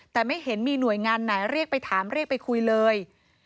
แต่ไม่เห็นมีหน่วยงานไหนเรียกไปถามเรียกไปคุยเลย